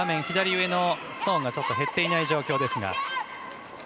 左上のストーンが減っていない状況ですが。